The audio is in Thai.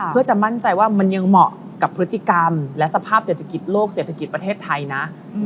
เพื่อจะมั่นใจว่ามันยังเหมาะกับพฤติกรรมและสภาพเศรษฐกิจโลกเศรษฐกิจประเทศไทยนะ